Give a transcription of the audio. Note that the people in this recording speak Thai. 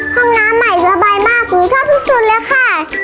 ห้องน้ำใหม่ระบายมากหนูชอบที่สุดเลยค่ะ